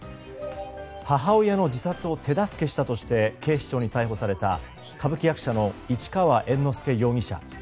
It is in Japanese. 母親の自殺を手助けしたとして警視庁に逮捕された歌舞伎役者の市川猿之助容疑者。